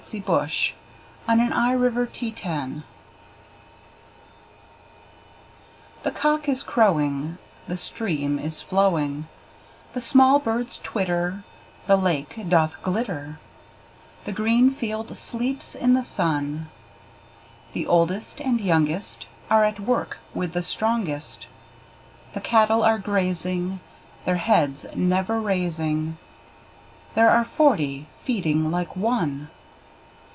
William Wordsworth Written in March THE cock is crowing, The stream is flowing, The small birds twitter, The lake doth glitter The green field sleeps in the sun; The oldest and youngest Are at work with the strongest; The cattle are grazing, Their heads never raising; There are forty feeding like one!